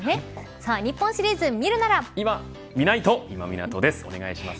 さあ、日本シリーズ見るならいまみないと今湊です、お願いします。